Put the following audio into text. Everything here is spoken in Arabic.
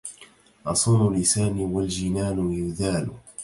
أصون لساني والجنان يذال